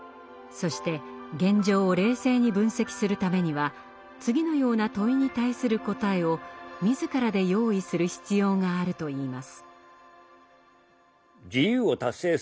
そして現状を冷静に分析するためには次のような問いに対する答えを自らで用意する必要があるといいます。